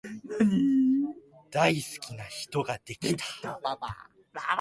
大好きな人ができた